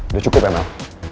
udah cukup ya mel